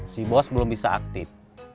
si bos belum bisa aktif